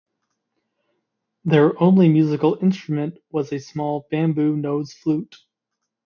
Their only musical instrument was a small bamboo nose flute.